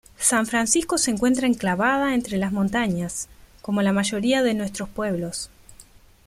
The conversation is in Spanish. San Francisco se encuentra enclavada entre montañas, como la mayoría de nuestros pueblos.